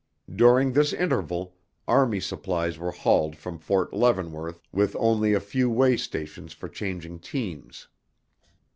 During this interval, army supplies were hauled from Fort Leavenworth with only a few way stations for changing teams.